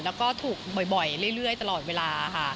แล้วก็ถูกบ่อยเรื่อยตลอดเวลาค่ะ